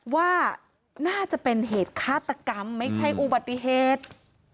ว่าน่าจะเป็นเหตุฆาตกรรมไม่ใช่อุบัติเหตุ